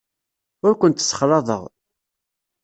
Ur kent-ssexlaḍeɣ.